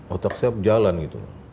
otak saya berjalan gitu